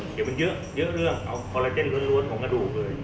เดี๋ยวมันเยอะเอาคอลริเจนร้วนของกระดูกเลย